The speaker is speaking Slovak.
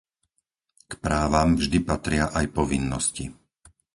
K právam vždy patria aj povinnosti.